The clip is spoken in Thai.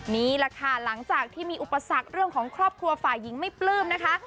นี่แหละค่ะหลังจากที่มีอุปสรรคเรื่องของครอบครัวฝ่ายหญิงไม่ปลื้มนะคะ